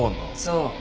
そう。